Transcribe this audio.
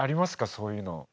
そういうの。